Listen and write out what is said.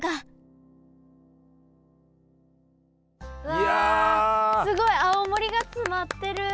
うわすごい青森が詰まってる！